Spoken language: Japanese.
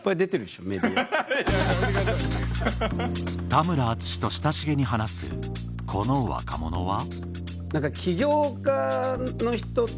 田村淳と親しげに話すこの若者は？